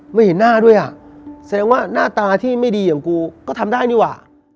ไม่เห็นหน้าด้วยอ่ะแสดงว่าหน้าตาที่ไม่ดีอย่างกูก็ทำได้นี่หว่า